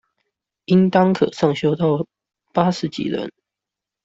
應當可上修到八十幾人